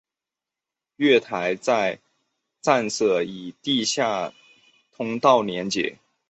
月台与站舍以地下通道连结。